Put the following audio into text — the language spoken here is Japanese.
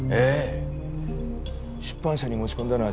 出版社に持ち込んだのは篠原です。